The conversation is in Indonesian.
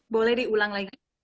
boleh diulang lagi